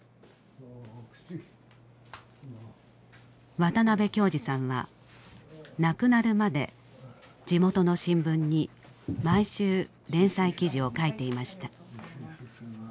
渡辺京二さんは亡くなるまで地元の新聞に毎週連載記事を書いていました。